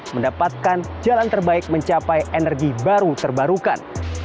mendapatkan jalan terbaik mencapai energi baru terbarukan